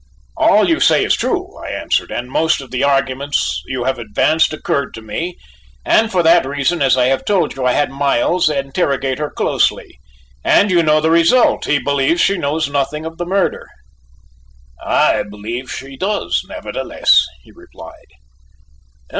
"All you say is true," I answered, "and most of the arguments you have advanced occurred to me, and for that reason, as I have told you, I had Miles interrogate her closely, and you know the result; he believes she knows nothing of the murder." "I believe she does, nevertheless," he replied.